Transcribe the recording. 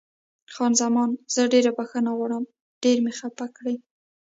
خان زمان: زه ډېره بښنه غواړم، ډېر مې خفه کړې.